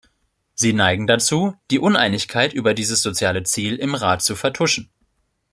Sie neigen dazu, die Uneinigkeit über dieses soziale Ziel im Rat zu vertuschen.